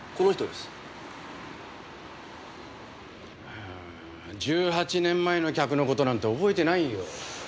うーん１８年前の客の事なんて覚えてないよ。